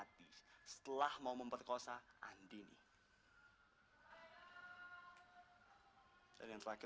kamu beristirahatlah yang tenang